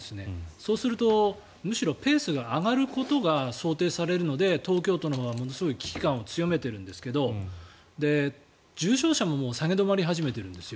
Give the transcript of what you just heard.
そうするとむしろペースが上がることが想定されるので東京都のほうはものすごい危機感を強めているんですけど重症者ももう下げ止まり始めているんですよ。